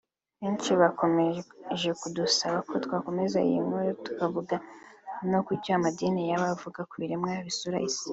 Benshi bakomeje kudusaba ko twakomeza iyi nkuru tukavuga no kucyo amadini yaba avuga ku biremwa bisura isi